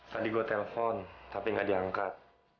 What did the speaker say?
tadi gua telepon tapi gak diangkat